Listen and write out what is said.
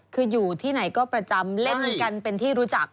คืออยู่ที่ไหนก็ประจำเล่นกันเป็นที่รู้จัก